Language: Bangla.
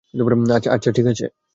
আচ্ছা, আচ্ছা, ঠিক আছে।